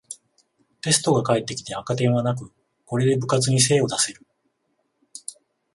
テストが返ってきて赤点はなく、これで部活に精を出せる